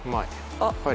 あっ。